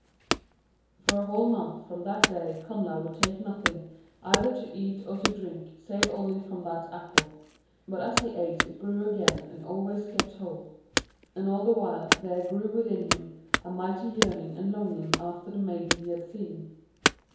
For a whole month from that day Connla would take nothing, either to eat or to drink, save only from that apple. But as he ate it grew again and always kept whole. And all the while there grew within him a mighty yearning and longing after the maiden he had seen.